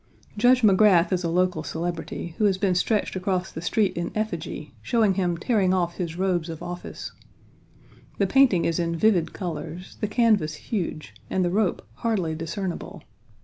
Judge Magrath is a local celebrity, who has been stretched across the street in effigy, showing him tearing off his robes of office. The painting is in vivid colors, the canvas huge, and the rope hardly discernible.